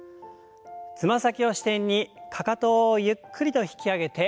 つま先を支点にかかとをゆっくりと引き上げて下ろす運動です。